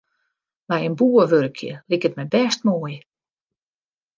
By in boer wurkje liket my bêst moai.